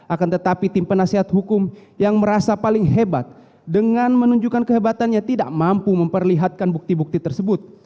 akan tetapi tim penasehat hukum yang merasa paling hebat dengan menunjukkan kehebatannya tidak mampu memperlihatkan bukti bukti tersebut